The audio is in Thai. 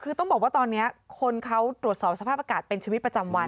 คือต้องบอกว่าตอนนี้คนเขาตรวจสอบสภาพอากาศเป็นชีวิตประจำวัน